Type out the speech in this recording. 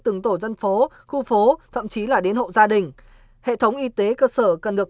từng tổ dân phố khu phố thậm chí là đến hộ gia đình hệ thống y tế cơ sở cần được